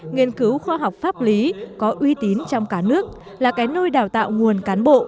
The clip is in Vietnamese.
nghiên cứu khoa học pháp lý có uy tín trong cả nước là cái nơi đào tạo nguồn cán bộ